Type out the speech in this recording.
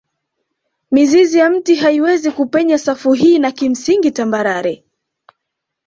Mizizi ya mti haiwezi kupenya safu hii na kimsingi tambarare